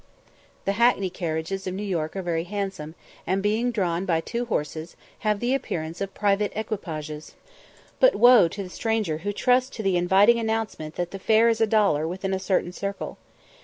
The hackney carriages of New York are very handsome, and, being drawn by two horses, have the appearance of private equipages; but woe to the stranger who trusts to the inviting announcement that the fare is a dollar within a certain circle.